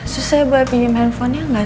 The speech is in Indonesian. susah ya gue pilih handphonenya gak